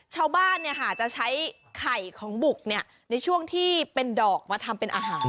ชาวบ้านจะใช้ไข่ของบุกในช่วงที่เป็นดอกมาทำเป็นอาหาร